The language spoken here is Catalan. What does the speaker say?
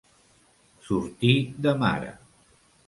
Sortir de mare.